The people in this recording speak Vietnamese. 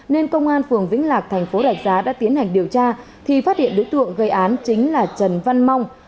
nên công an phường vĩnh lạc thành phố rạch giá đã tiến hành điều tra thì phát hiện đối tượng gây án chính là trần văn mong